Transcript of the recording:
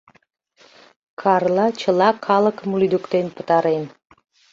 Карла чыла калыкым лӱдыктен пытарен.